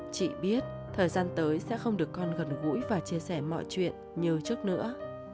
chị biết thời gian tới sẽ không được con gần gũi và chia sẻ mọi chuyện như trước nữa